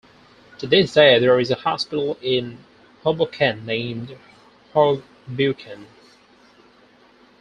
To this day there is a hospital in Hoboken named "Hoge Beuken".